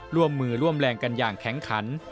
ร่วมมือร่วมแรงกันอย่างแข็งขัน